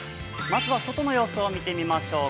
まずは外の様子を見てみましょう。